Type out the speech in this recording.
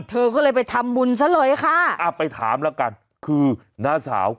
เธอก็เลยไปทำบุญซะเลยค่ะอ่าไปถามแล้วกันคือน้าสาว